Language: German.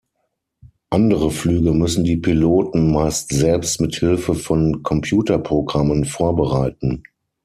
Andere Flüge müssen die Piloten meist selbst mit Hilfe von Computerprogrammen vorbereiten.